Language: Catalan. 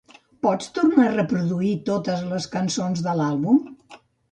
Pots tornar a reproduir totes les cançons de l'àlbum?